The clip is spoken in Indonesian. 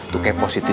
tuh kayak positi tuh